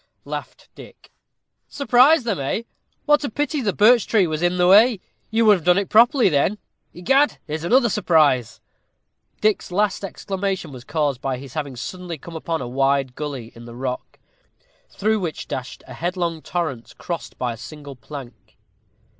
laughed Dick. "Surprise them, eh? What a pity the birch tree was in the way; you would have done it properly then. Egad, here's another surprise." Dick's last exclamation was caused by his having suddenly come upon a wide gully in the rock, through which dashed a headlong torrent, crossed by a single plank.